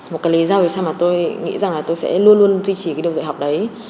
một cái lý do vì sao mà tôi nghĩ rằng là tôi sẽ luôn luôn duy trì cái đường dạy học đấy